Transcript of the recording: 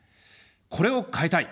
これを変えたい。